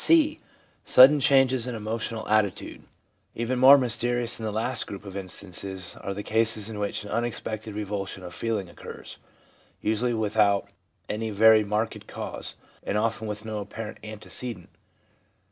(c) Sudden Changes in Emotional Attitude. Even more mysterious than the last group of in stances are the cases in which an unexpected revulsion of feeling occurs, usually without any very marked cause, and often with no apparent antecedent.